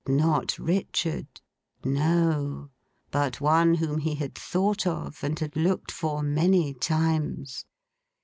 Not Richard. No. But one whom he had thought of, and had looked for, many times.